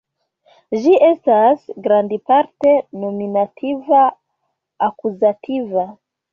Ĝi estas grandparte nominativa-akuzativa.